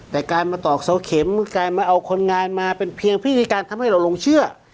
แต่การมาตอกเสาเข็มการมาเอาคนงานมาเป็นเพียงพิธีการทำให้เราลงเชื่อ